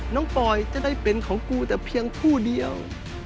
ปอยจะได้เป็นของกูแต่เพียงผู้เดียว